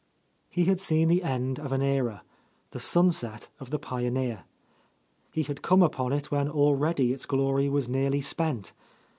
He had seen the end of an era, the sunset of the pioneer. He had come upon it when already its glory was nearly spent.